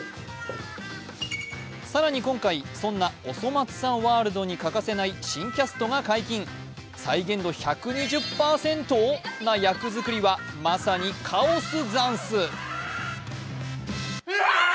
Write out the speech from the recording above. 更に今回、そんな「おそ松さん」ワールドに欠かせない新キャストが解禁、再現度１２０％な役作りは、まさにカオスざんす。